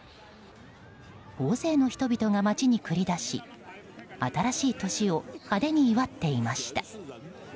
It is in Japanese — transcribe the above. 大勢の人々が街に繰り出し新しい年を派手に祝っていました。